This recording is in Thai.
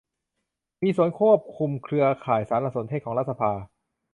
มีศูนย์ควบคุมเครือข่ายสารสนเทศของรัฐสภา